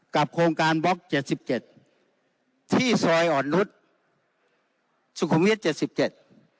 โครงการบล็อกเจ็ดสิบเจ็ดที่ซอยอ่อนนุษย์สุขุมวิทย์เจ็ดสิบเจ็ด